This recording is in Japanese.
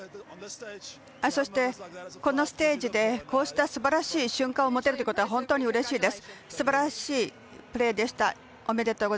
そして、このステージでこうしたすばらしい瞬間を持てるということは本当にうれしいです。